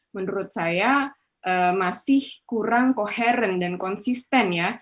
menurut saya masih kurang koheren dan konsisten ya